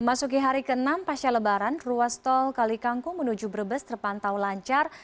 memasuki hari ke enam pasca lebaran ruas tol kali kangkung menuju brebes terpantau lancar